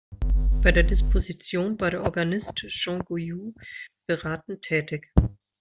Bei der Disposition war der Organist Jean Guillou beratend tätig.